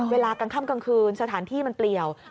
เวลากลางค่ำกลางคืนสถานที่มันเปลี่ยว